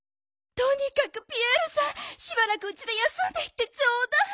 とにかくピエールさんしばらくうちで休んでいってちょうだい。